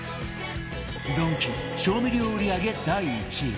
ドンキ調味料売り上げ第１位